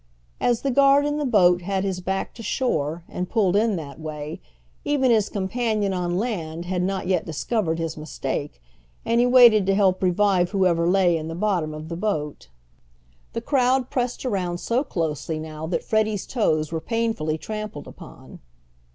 As the guard in the boat had his back to shore, and pulled in that way, even his companion on land had not yet discovered his mistake, and he waited to help revive whoever lay in the bottom of the boat. The crowd pressed around so closely now that Freddie's toes were painfully trampled upon.